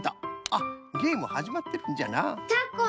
あっげえむはじまってるんじゃな。